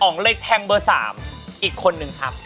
เลยแทงเบอร์๓อีกคนนึงครับ